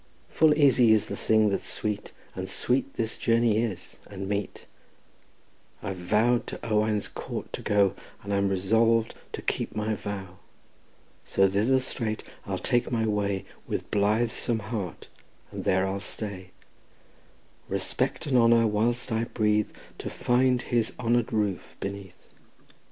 Full easy is the thing that's sweet, And sweet this journey is and meet; I've vowed to Owain's court to go, And I'm resolv'd to keep my vow; So thither straight I'll take my way With blithesome heart, and there I'll stay, Respect and honour, whilst I breathe, To find his honour'd roof beneath.